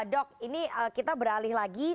dok ini kita beralih lagi